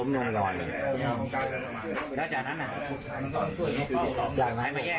มันก็ป่าเถอะป่าเขาคือคนห้าม